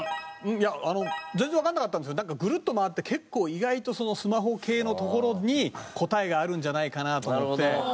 いやあの全然わかんなかったんですけどグルッと回って結構意外とスマホ系のところに答えがあるんじゃないかなと思って。